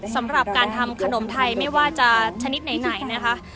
สำหรับการทำขนมไทยไม่ว่าจะชนิดไหนนะคะ